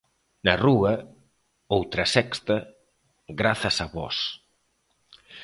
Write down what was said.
Na rúa, outra sexta, grazas a vós.